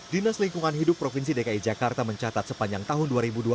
dinas lingkungan hidup provinsi dki jakarta mencatat sepanjang tahun dua ribu dua puluh